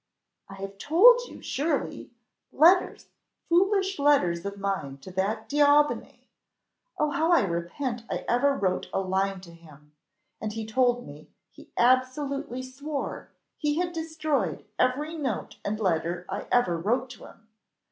"I have told you, surely! Letters foolish letters of mine to that D'Aubigny. Oh how I repent I ever wrote a line to him! And he told me, he absolutely swore, he had destroyed every note and letter I ever wrote to him.